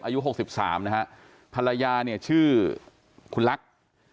อายุ๖๓นะฮะภรรยาเนี่ยชื่อคุณลักษณ์